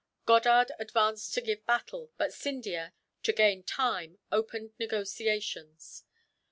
Goddard advanced to give battle; but Scindia, to gain time, opened negotiations.